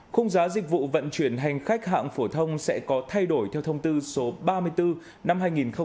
khung giá dịch vụ vận chuyển hành khách hạng phổ thông sẽ có thay đổi theo thông tư số ba mươi bốn năm hai nghìn một mươi chín